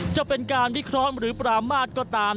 จะเป็นการวิเคราะห์หรือปรามาทก็ตาม